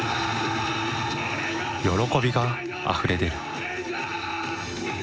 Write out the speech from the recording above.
喜びがあふれ出る。